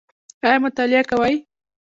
ایا مطالعه کوئ؟